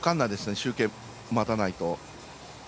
集計、待たないと。